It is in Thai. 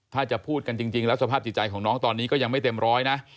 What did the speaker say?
ถ้าจะพูดกันจริงแล้วสภาพจิตใจของน้องตอนนี้ก็ยังไม่เต็มร้อยนะ